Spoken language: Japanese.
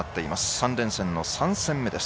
３連戦の３戦目です。